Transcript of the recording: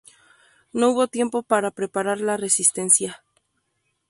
No hubo tiempo para preparar la resistencia.